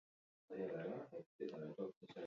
Zuzenbidea ikasi ondoren, Ameriketara bidali zuten.